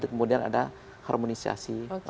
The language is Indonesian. kemudian ada harmonisasi